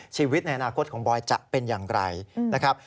ชีวิตในอนาคตของบอยจะเป็นอย่างไรนะครับ